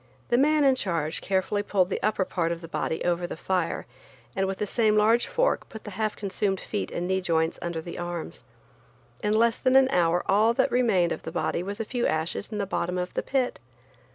The man in charge carefully pulled the upper part of the body over the fire, and with the same large fork put the half consumed feet and knee joints under the arms. In less than an hour all that remained of the body was a few ashes in the bottom of the pit.